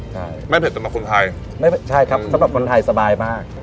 ใช่แม่เป็ดจำเป็นคนไทยใช่ครับมันแบบคนไทยสบายมาก